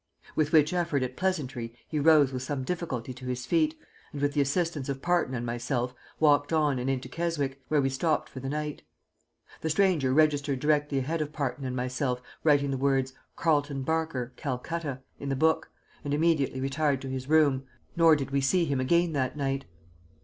With which effort at pleasantry he rose with some difficulty to his feet, and with the assistance of Parton and myself walked on and into Keswick, where we stopped for the night. The stranger registered directly ahead of Parton and myself, writing the words, "Carleton Barker, Calcutta," in the book, and immediately retired to his room, nor did we see him again that night.